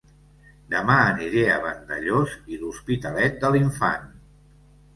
Dema aniré a Vandellòs i l'Hospitalet de l'Infant